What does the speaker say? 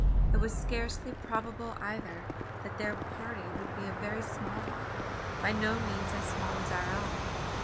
It was scarcely probable either, that their party would be a very small one by no means as small as our own.